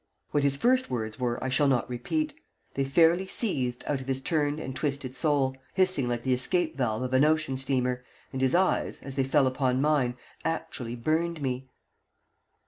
What his first words were I shall not repeat. They fairly seethed out of his turned and twisted soul, hissing like the escape valve of an ocean steamer, and his eyes, as they fell upon mine, actually burned me.